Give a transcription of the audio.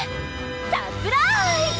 サプラーイズ！